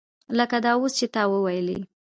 لکه دا اوس چې تا وویلې.